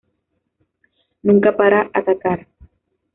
Nunca para atacar.